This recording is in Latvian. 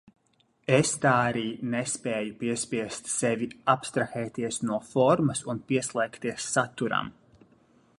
Es tā arī nespēju piespiest sevi abstrahēties no formas un pieslēgties saturam.